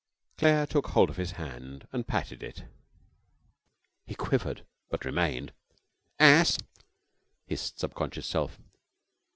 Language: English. Claire took hold of his hand and patted it. He quivered, but remained. 'Ass!' hissed Subconscious Self.